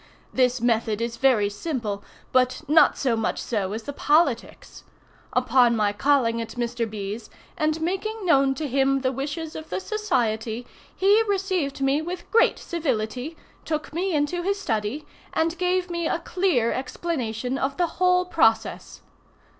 This method is very simple, but not so much so as the politics. Upon my calling at Mr. B.'s, and making known to him the wishes of the society, he received me with great civility, took me into his study, and gave me a clear explanation of the whole process.